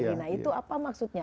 nah itu apa maksudnya